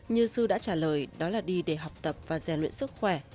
như sư đã trả lời đó là đi để học tập và rèn luyện sức khỏe